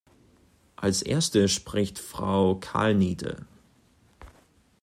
Als Erste spricht Frau Kalniete.